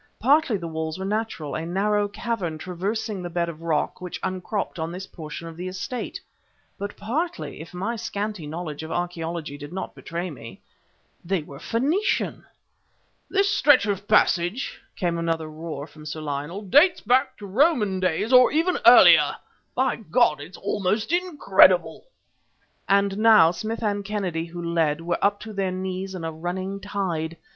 Partly the walls were natural, a narrow cavern traversing the bed of rock which upcropped on this portion of the estate, but partly, if my scanty knowledge of archaeology did not betray me, they were Phoenician! "This stretch of passage," came another roar from Sir Lionel, "dates back to Roman days or even earlier! By God! It's almost incredible!" And now Smith and Kennedy, who lid, were up to their knees in a running tide.